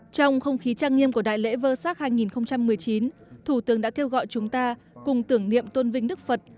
trong không khí trang nghiêm của đại lễ vơ sát hai nghìn một mươi chín thủ tướng đã kêu gọi chúng ta cùng tưởng niệm tôn vinh đức phật